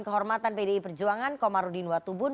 kehormatan pdi perjuangan komarudin watubun